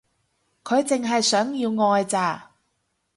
佢淨係想要愛咋